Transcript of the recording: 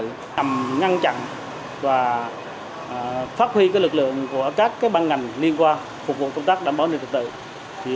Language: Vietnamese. nhằm ngăn chặn và phát huy lực lượng của các băng ngành liên quan phục vụ công tác đảm bảo an ninh trật tự